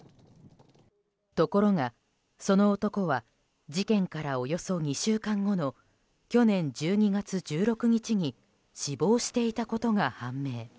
ところが、その男は事件からおよそ２週間後の去年１２月１６日に死亡していたことが判明。